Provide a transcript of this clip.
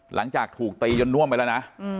หลังจากถูกตีจนน่วมไปแล้วนะ